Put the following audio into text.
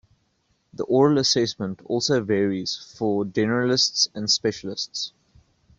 The oral assessment also varies for Generalists and Specialists.